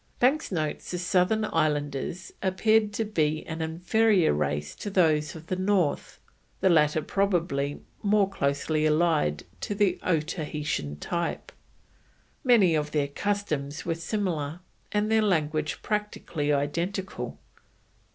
Banks notes the southern islanders appeared to be an inferior race to those of the north, the latter probably more closely allied to the Otaheitan type; many of their customs were similar, and their language practically identical.